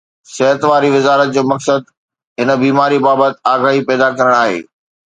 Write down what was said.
صحت واري وزارت جو مقصد هن بيماري بابت آگاهي پيدا ڪرڻ آهي